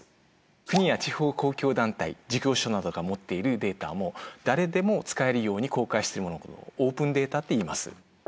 国や地方公共団体事業者などが持っているデータも誰でも使えるように公開してるものをこれをオープンデータっていいます。